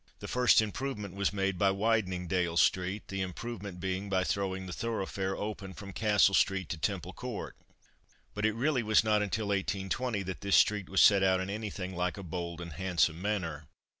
The first movement was made by widening Dale street; the improvement being by throwing the thoroughfare open from Castle street to Temple court, but it really was not until 1820 that this street was set out in anything like a bold and handsome manner.